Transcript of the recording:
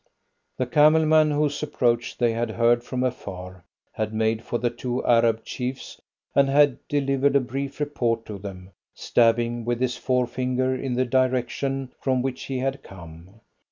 The camel man, whose approach they had heard from afar, had made for the two Arab chiefs, and had delivered a brief report to them, stabbing with his forefinger in the direction from which he had come.